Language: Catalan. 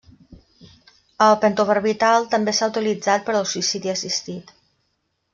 El pentobarbital també s'ha utilitzat per al suïcidi assistit.